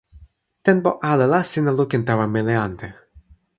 tenpo ale la sina lukin tawa meli ante.